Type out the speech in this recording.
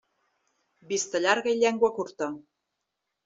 Vista llarga i llengua curta.